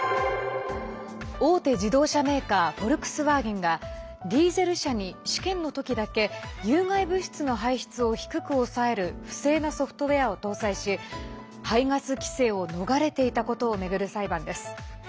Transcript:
大手自動車メーカーフォルクスワーゲンがディーゼル車に試験の時だけ有害物質の排出を低く抑える不正なソフトウエアを搭載し排ガス規制を逃れていたことを巡る裁判です。